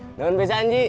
hehehe daun pisang ji